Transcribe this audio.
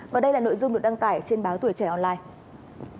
và đây là nội dung được đăng tải trên báo tuổi trẻ online